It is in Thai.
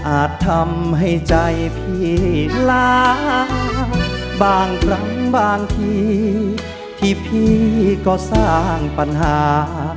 อาจทำให้ใจพี่ล้างบางครั้งบางทีพี่ก็สร้างปัญหา